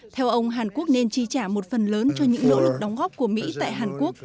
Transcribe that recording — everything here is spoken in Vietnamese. theo ông hàn quốc nên chi trả một phần lớn cho những nỗ lực đóng góp của mỹ tại hàn quốc